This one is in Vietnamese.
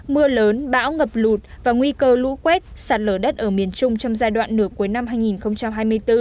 mưa lớn bão ngập lụt và nguy cơ lũ quét sạt lở đất ở miền trung trong giai đoạn nửa cuối năm hai nghìn hai mươi bốn